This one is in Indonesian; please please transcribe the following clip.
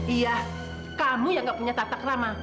iya kamu yang gak punya takrama